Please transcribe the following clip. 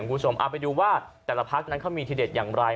คุณผู้ชมเอาไปดูว่าแต่ละพักนั้นเขามีทีเด็ดอย่างไร